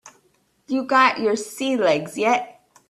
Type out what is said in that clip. You got your sea legs yet?